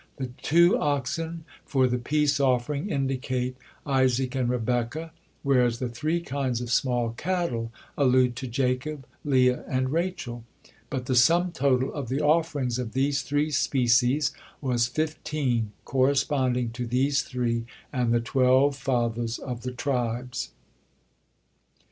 The two oxen for the peace offering indicate Isaac and Rebekah, whereas the three kinds of small cattle allude to Jacob, Leah, and Rachel, but the sum total of the offerings of these three species was fifteen, corresponding to these three and the twelve fathers of the tribes.